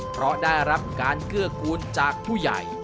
เพราะได้รับการเกื้อกูลจากผู้ใหญ่